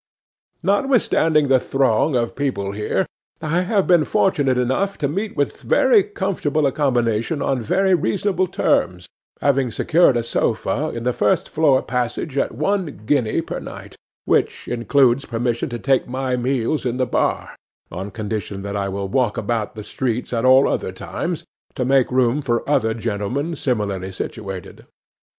'Notwithstanding the throng of people here, I have been fortunate enough to meet with very comfortable accommodation on very reasonable terms, having secured a sofa in the first floor passage at one guinea per night, which includes permission to take my meals in the bar, on condition that I walk about the streets at all other times, to make room for other gentlemen similarly situated.